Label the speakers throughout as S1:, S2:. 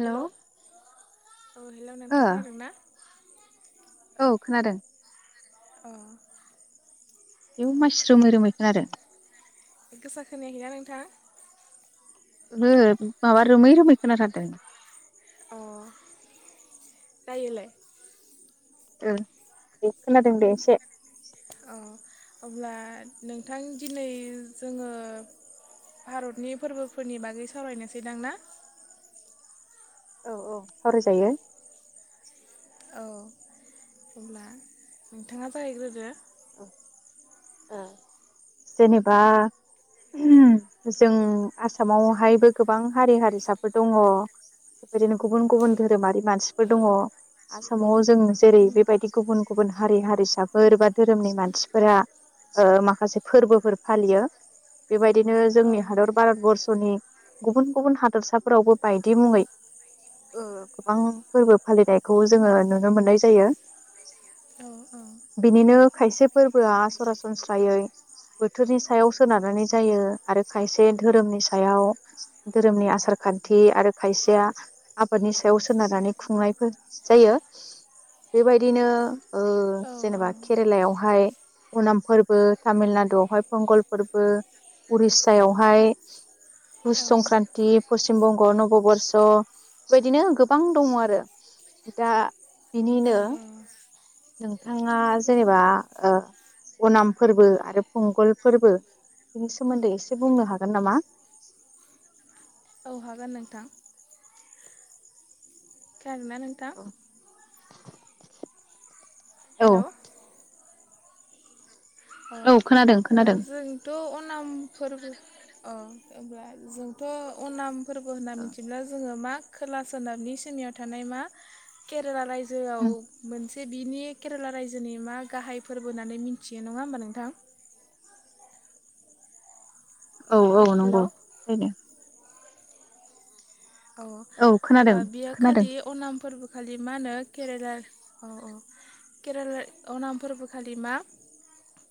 S1: Hello औ hello
S2: ओ
S1: नोंथां खोनादों ना?
S2: औ खोनादों।
S1: अ
S2: आयोव मानसि रोमै रोमै खोनादों।
S1: गोसा खोनाया खैना नोंथां?
S2: ओंहो माबा रोमै रोमै खोनाथारदों
S1: अ दायोलाय
S2: ओ दे खोनादों दे एसे
S1: अ अब्ला नोंथां दिनै जोङो भारतनि फोरबोफोरनि बागै सावरायनोसै दां ना
S2: औ औ सावरायजायो
S1: औ अब्ला नोंथाङा जागायग्रोदो
S2: अ ओ जेनेबा जों आसामावहायबो गोबां हारि हारिसाफोर दङ बेबायदिनो गुबुन गुबुन धोरोमारि मानसिफोर दङ आसामाव जों जेरै बेबायदि गुबुन गुबुन हारि हारिसाफोर बा धोरोमनि मानसिफोरा ओ माखासे फोरबोफोर फालियो बेबायदिनो
S1: औ
S2: जोंनि हादर भारत बरर्सनि गुबुन गुबुन हादरसाफोरावबो बायदि मुङै ओ गोबां फोरबो फालिनायखौ जोङो नुनो मोननाय जायो
S1: औ औ
S2: बिनिनो खायसे फोरबोआ सरासनस्रायै बोथोरनि सायाव सोनारनानै जायो आरो खायसे धोरोमनि सायाव धोरोमनि आसार खान्थि आरो खायसेया आबादनि सायाव सोनारनानै खुंनायफोर जायो बेबायदिनो ओ
S1: औ
S2: जेनेबा केरेलायावहाय उनाम फोरबो तामिलना डु आवहाय फंगल फोरबो उरिसायावहाय
S1: औ
S2: बुस संक्रान्ति पसिम बंग नबबर्ष बेबायदिनो गोबां दङ आरो दा
S1: औ
S2: बिनिनो नोंथाङा जेनेबा ओ अनाम फोरबो आरो पंगल फोरबो बिनि सोमोन्दै एसे बुंनो हागोन नामा
S1: औ हागोन नोंथां खोनादों ना नोंथां
S2: औ
S1: हेलौ अ
S2: औ खोनादों
S1: ओ
S2: खोनादों
S1: जोंथ' अनामफोरबो अ ओमफाय जोंथ' अनाम फोरबो होनना मिथिब्ला जोङो मा खोला सोनाबनि सिनियाव थानाय मा केरेला राय जोयाव मोन से बिनि केरेला रायजोनि मा गाहाय फोरबो होननानै मिथियो नङा होमबा नोंथां
S2: औ औ नंगौ
S1: हेलौ
S2: [unintelligible]
S1: औ
S2: खोनादों
S1: अब्ला बियो
S2: खोनादों
S1: खालि अनाम फोरबो खालि मा होनो केरेला औ औ केरेला अनाम फोरबोखालि मा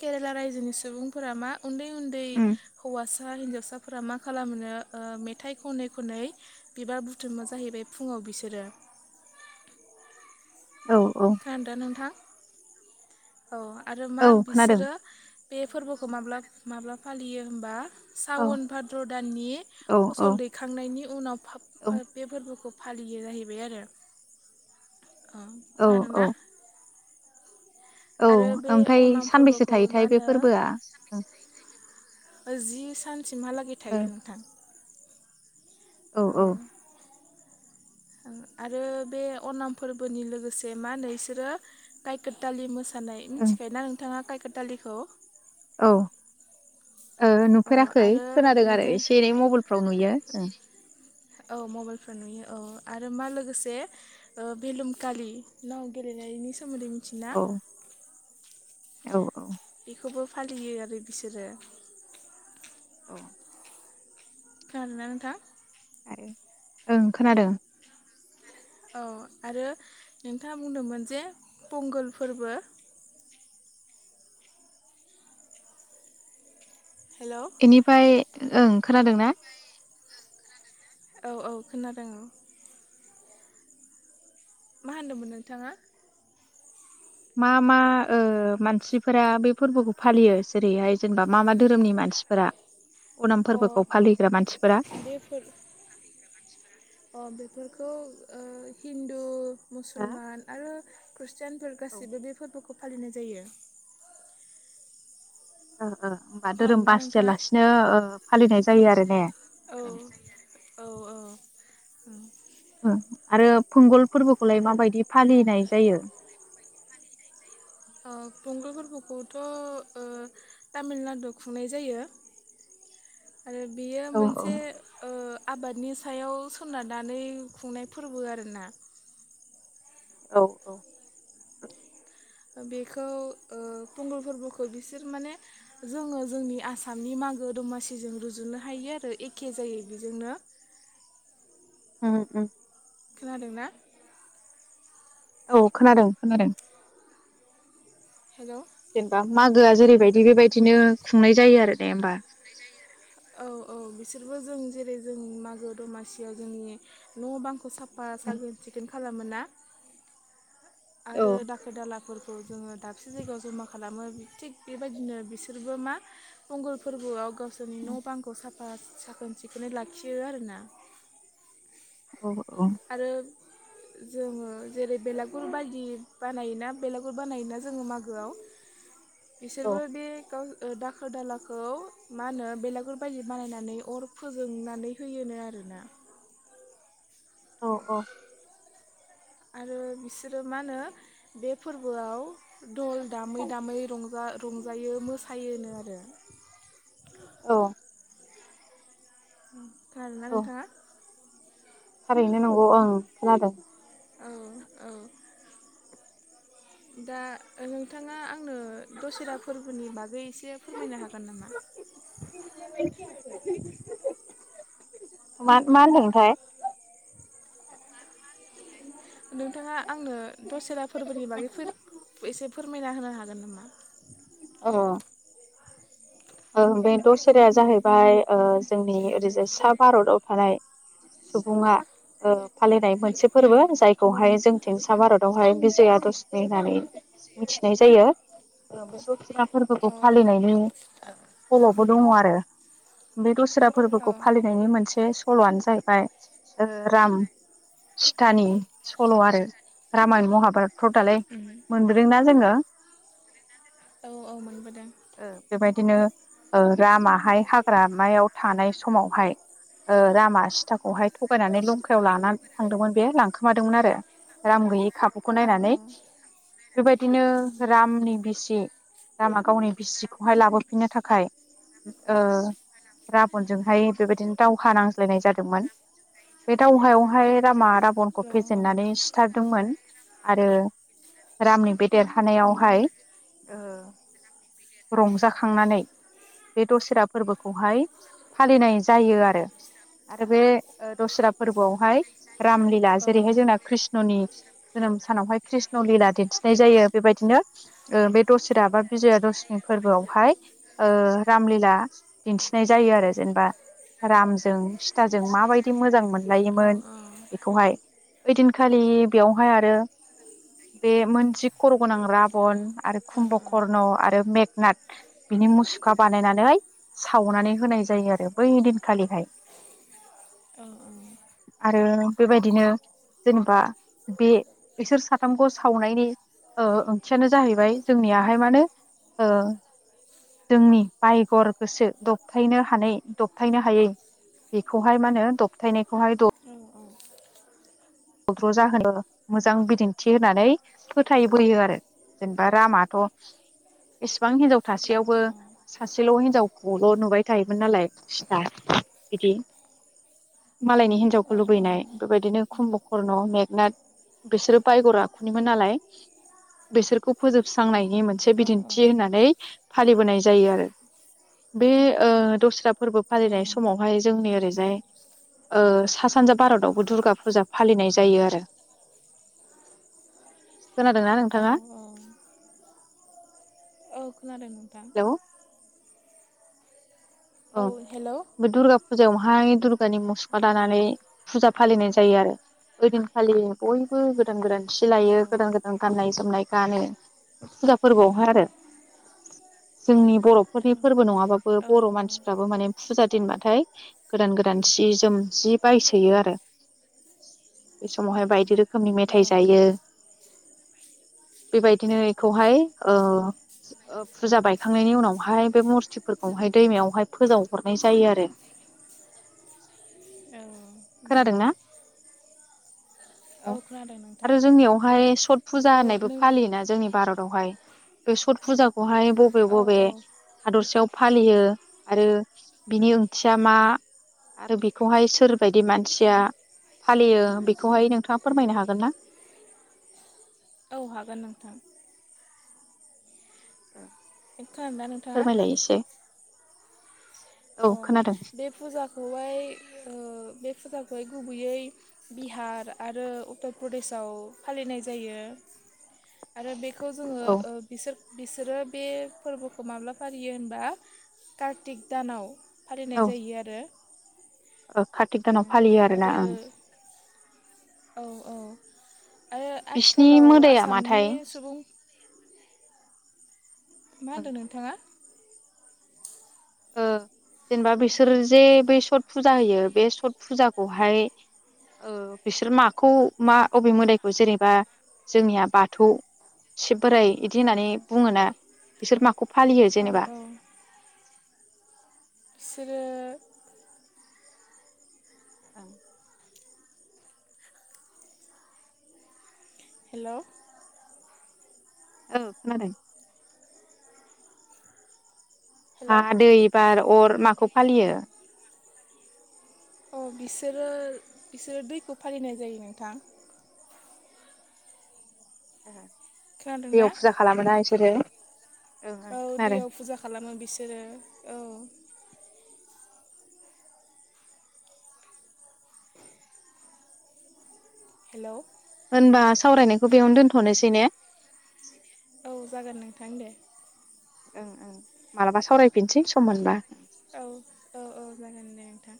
S1: केरेला रायजोनि सुबुंफोरा मा उन्दै उन्दै हौवा सा हिनजावसाफोरा मा खालामनो ओ मेथाइ खनै खनै बिबार बुथुमो जाहैबाय फुङाव बिसोरो
S2: औ
S1: खोनादो नोंथां औ आरो मा
S2: औ खोनादों
S1: बिसोरो बे फोरबोखौ माब्ला माब्ला फालियो होमबा
S2: औ
S1: सावन भाद्र दाननि
S2: औ औ
S1: फसल दैखांनायनि उनाव बे फोरबोखौ फालियो जाहैबाय आरो ओ
S2: औ
S1: खोनादों ना
S2: औ औ ओमफ्राय
S1: अनाम
S2: सानबैसो
S1: फोरबोखौ मा
S2: थायोथाय बे
S1: होनो
S2: फोरबोआ
S1: जि सान सिमहालागै थायो नोंथां।
S2: औ
S1: ओ
S2: औ।
S1: आरो बे अनाम फोरबोनि लोगोसे मा होनो इसोरो गायखेर दालि मो नाय
S2: ओं
S1: मिथिखायो ना नोंथाङा। खथालिखौ
S2: औ। ओ
S1: अ
S2: नुफेराखै
S1: आरो
S2: खोनादों आरो
S1: बेजों
S2: एसे एनै मबाइलफ्राव नुयो ओं।
S1: औ मबाइलफोर नुयो औ आरो मा लोगोसे भेलुमखालि नाव गेलेनायनि सोमोन्दै मिथिना
S2: औ औ औ।
S1: बेखौबो फालियो आरो बिसोरो
S2: औ।
S1: खोनादों ना नोंथां?
S2: ओं खोनादों।
S1: औ आरो नोंथाङा बुंदोंमोन जे पंगल फोरबो हेलौ
S2: बेनिफ्राय ओं खोनादों ना?
S1: औ औ खोनादों औ। मा होनदोंमोन नोंथाङा?
S2: मा मा ओ मानसिफोरा बे फोरबोखौ फालियो जेरैहाय जेनेबा मा मा धोरोमनि मानसिफोरा? अनाम
S1: अ
S2: फोरबोखौ फालिग्रा मानसिफोरा
S1: बे फोर अ बेफोरखौ ओ हिन्दु
S2: हो
S1: मुसलमान आरो खृष्टियानफोर
S2: औ ओ
S1: गासिबो बे फोरबो खौ फालिनाय जायो
S2: अ। होमबा धोरोम
S1: खोनादोंना नोंथाङा?
S2: बासियालासिनो ओ। फालिनाय जायो आरो ने ओं
S1: औ औ औ। औ।
S2: ओं आरो फुंगल फोरबोखौलाय माबायदि फालिनाय जायो।
S1: ओ फंगल फोरबोखौथ' ओ तामिलनाडुआव खुंनाय जायो आरो बियो
S2: औ
S1: मोनसे ओ आबादनि सायाव सोनारनानै खुंनाय फोरबो आरोना
S2: औ औ।
S1: बेखौ ओ पंगल फोरबोखौ बिसोर माने जोङो जोंनि आसामनि मागो दमासिजों रुजुनो हायो आरो एखे जायो बेजोंनो।
S2: उम उम
S1: खोनादों ना?
S2: औ खोनादों खोनादों।
S1: हेलौ
S2: जेनबा मागोआ जेरैबायदि बेबायदिनो खुंनाय जायो आरो ने होमबा?
S1: औ औ बिसोरबो जों जेरै जों मागो दमासियाव जोंनि न' बांखौ साफ फा सागोन सिगोन खालामो ना
S2: औ
S1: आरो दाखो दाला फोरखौ जोङो दाबसे जायगायाव जमा खालामो थिग बेबायदिनो बिसोरबो मा फंगल फोरबोआव गा सोरनि न' बांखौ साफ बा साखोन सिखोनै लाखियो आरोना।
S2: औ औ
S1: आरो जोङो जेरै बेलागुर बाय दि बानायोना बेलागुर बानायोना जोङो मागोआव
S2: औ
S1: बिसोरबो बे गाव ओ दाखोर दालाखौ मा होनो बेलागुर बायदि बानायनानै अर फोजोंनानै होयोनो आरोना।
S2: अ अ
S1: आरो बिसोरो मा होनो बे फोरबोआव दल दामै दामै रंजा रंजायो मोसायोनो आरो।
S2: औ
S1: उम खोनादोंना
S2: औ
S1: नोंथाङा?
S2: थारैनो नंगौ ओं खोनादों।
S1: औ औ दा नोंथाङा आं नो दसेेरा फोरबोनि बागै एसे फोरमायनो हागोन नामा?
S2: मा मा होनदोंथाय?
S1: नोंथाङा आंनो दसेरा फोरबोनि बागै फोर एसे फोरमायना होनो हाग गोन नामा?
S2: अ ओ बे दसेराया जाहैबाय ओ जोंनि ओरैजाय सा भारताव थानाय सुबुङा ओ फालिनाय मोनसे फोरबो जायखौहाय जोंथिं सा भारतावहाय बिजयादशमि होननानै मिथिनाय जायो बे दसेरा फोरबोखौ
S1: औ
S2: फालिनायनि सल'बो दङ आरो बे दसेरा
S1: औ
S2: फोरबोखौ फालिनायनि मोनसे सल'आनो जाहैबाय राम सितानि सल' आरो रामायन महाभारतफ्राव दालाय
S1: उम
S2: मोनबोदोंना जोङो।
S1: औ औ मोनबोदों
S2: ओ बेबायदिनो ओ रामाहाय हाग्रामायाव थानाय समावहाय ओ रामा सिताखौहाय थगायनानै लंखायाव लानानै थांदोंमोन बे लांखोमादोंमोन आरो राम गैयै खाबुखौ
S1: औ औ
S2: नायनानै बेबायदिनो रामनि बिसि रामा गावनि बिसि खौहाय लाबोफिननो थाखाय ओ राबनजोंहाय बेबायदिनो दावहा नांज्लायनाय जादोंमोन बे दावहायावहाय रामा राबनखौ
S1: औ उम
S2: फेजेननानै सिथारदोंमोन आरो रामनि बे देरहानायावहाय ओ रंजाखांनानै बे दसेरा फोरबोखौहाय फालिनाय जायो आरो आरो बे दसेरा फोरबोआवहाय रामलिला
S1: अ औ
S2: जेरैहाय जोंना कृष्णनि जोनोम सानावहाय कृष्ण लिला दिन्थिनाय जायो बेबायदिनो ओ बे दसेरा बा बिजया दस फोरबो आवहाय ओ राम लि ला दिन्थिनाय जायो आरो जेनेबा रामजों सिताजों माबायदि मोजां मोन
S1: औ
S2: लायोमोन बेखौहाय ओइदिनखालि बेयावहाय आरो बे मोनजि खर' गोनां राबन आरो कुम्ब कर्न आरो मेक नाथ बिनि मुसुखा बानायनानै सावनानै होनाय जायो आरो बै दिनखालिहाय।
S1: औ औ
S2: आरो बेबायदिनो जेनेबा बे इसोर साथामखौ सावनायनि ओ ओंथियानो जाहैबाय जोंनियाहाय माने ओ जोंनि बायगर गोसो दबथायनो हानाय दबथायनो हायै बेखौहाय मा होनो दबथायनाय
S1: [unintelligible]
S2: दद्र जाहोनो मोजां बिदिन्थि होननानै फोथायबोयो आरो जेनेबा रामाथ एसेबां हिनजाव
S1: औ
S2: थासेयावबो सासेल हिनजाव खौल' नुबाय थायोमोन नालाय सिता बिदि मालायनि
S1: औ
S2: हिनजावखौ लुबैनाय बेबायदिनो खुम्ब करन मेगनाथ बिसोरो बायगर आखुनिमोन नालाय बिसोरखौ फोजोबस्रांनायनि मोनसे
S1: औ
S2: बिदिन्थि होननानै फालिबोनाय जायो आरो बे ओ दस्रा फोरबो फालिनाय समावहाय जोंनि ओरैजाय सा सानजा भारतावबो दुर्गा फुजा फालिनाय जायो आरो खोनादोंना
S1: औ
S2: नोंथाङा?
S1: औ खानादों नोंथां।
S2: हेलौ औ
S1: हेल' औ
S2: बे दुर्गा फुजायावहाय दुर्गानि मुसुखा लानानै फुजा फालिनाय जायो आरो। ओइ दिनखालि बयबो गोदान गोदान थि लायो
S1: औ
S2: गोदान गोदान गाननाय जोमनाय गानो फुजा फोरबोआवहाय आरो जोंनि बर'फोरनि फोरबो नङाबाबो
S1: औ
S2: बर' मानसि फाराबो माने फुजा दिनबाथाय गोदान गोदान सि जोम जि बायसोयो आरो बे समावहाय बायदि रोखोम रोखोमनि मेथाइ जायो। बेबायदिनो इखौहाय ओ फुजा बायखांनायनि उनावहाय बे मुरतिफोरखौहाय दैमायावहाय फोजावहरनाय जायो आरो। खोनादोंना?
S1: औ खोनादों नोंथां
S2: आरो जोंनियावहाय सत फुजा
S1: थ'
S2: होननायबो
S1: नों
S2: फालियोना जोंनि भारत आवहाय बे सत फुजाखौहाय बबे
S1: औ
S2: बबे
S1: औ
S2: हादरसायाव फालियो आरो बिनि ओंथिया मा आरो बेखौहाय सोर बायदि मानसिया फालियो। बेखौ नोंथाङा फोरमायनो हागोन?
S1: औ हागोन नोंथां।
S2: [inaudible]
S1: खोनादों ना नोंथाङा?
S2: फोरमायलाय एसे
S1: अ
S2: औ खोनादों
S1: बे फुजाखौहाय ओ बे फुजाखौ खौ गुबैयै बिहार आरो उत्तर प्रदेशाव फालिनाय जायो। आरो बेखौ जोङो
S2: औ
S1: ओ बि बिसोरो बे फोरबोखौ माब्ला फालियो होनबा कार्तिक दानि फालिनाय
S2: औ
S1: जायो आरो।
S2: कार्तिक
S1: औ
S2: दानाव फालियो आरो ना ओं
S1: औ औ। आरो
S2: बिसिनि
S1: आथिखालाव
S2: मोदाया
S1: आसामनि
S2: माथाय
S1: सुबुं मा होनदों नोंथाङा?
S2: ओ जेनेबा बिसोर जे बे सत फुजा होयो बे सत फुजाखौहाय बिसोर माखौ मा अबे मोदायखौ जेनेबा जोंनिया बाथौ शिब बोराइ बिदि होननानै बुङो ना बिसोर माखौ फालियो
S1: औ
S2: जेनेबा
S1: औ बिसोरो
S2: औ।
S1: हेल'
S2: औ खोनादों। हा
S1: हेलौ
S2: दै बार अर माखौ फालियो?
S1: अ बिसोरो बिसोरो दैखौ फालिनाय जायो नोंथां।
S2: [inaudible]
S1: खोनादोंना
S2: दैयाव फुजा खालामोना बिसोरो ओं ओं
S1: औ
S2: खोनादों
S1: दैयाव फुजा खालामो बिसोरो औ हेल'
S2: होनबा सावरायनायखौ बेयावनो दोनथ'नोसै ने?
S1: औ जागोन नोंथां दे
S2: ओं ओं मालाबा सावरायफिनसै सम मोनबा।
S1: औ औ औ जागोन दे नोंथां।